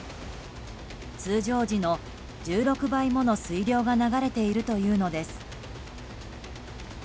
通常時の１６倍もの水量が流れているというのです。